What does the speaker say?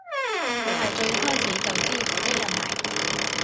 佢係最開始就知嗰堆人嚟